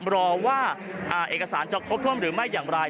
รอว่าเอกสารจะครบถ้วนหรือไม่อย่างไร